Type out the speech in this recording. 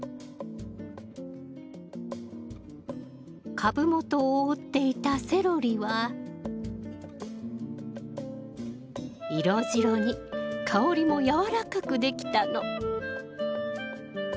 株元を覆っていたセロリは色白に香りもやわらかくできたの！